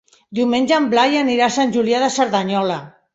Diumenge en Blai anirà a Sant Julià de Cerdanyola.